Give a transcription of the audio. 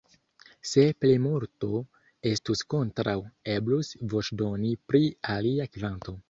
Se plimulto estus kontraŭ, eblus voĉdoni pri alia kvanto.